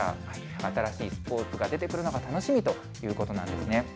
新しいスポーツが出てくるのが楽しみということなんですね。